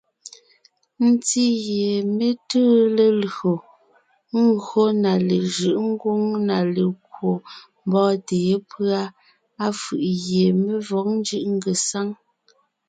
Ntí gie mé tʉʉ lelÿò ńgÿo na lejʉ̌ʼ ngwóŋ na lekwò mbɔ́ɔntè yépʉ́a, á fʉ̀ʼ gie mé vɔ̌g ńjʉ́ʼ ngesáŋ.